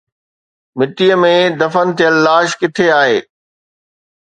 مٽيءَ ۾ دفن ٿيل لاش ڪٿي آهي؟